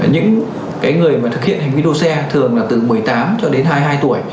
những người mà thực hiện hành vi đua xe thường là từ một mươi tám cho đến hai mươi hai tuổi